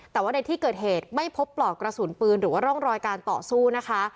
แต่ว่าในที่เกิดเหตุไม่พบปลอกกระสุนปืนหรือว่าร่องรอยการต่อสู้นะคะ